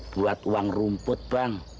buat uang rumput bang